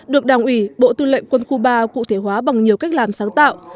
được đảng ủy bộ tư lệnh quân khu ba cụ thể hóa bằng nhiều cách làm sáng tạo